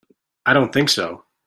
I don't think so.